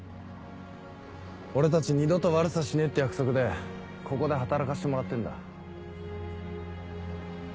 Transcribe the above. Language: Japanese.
俺たち二度と悪さしねえって約束でここで働かせてもらってんだ。